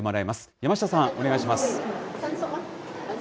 山下さん、お願いします。